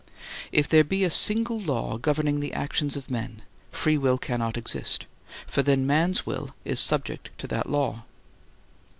If there be a single law governing the actions of men, free will cannot exist, for then man's will is subject to that law.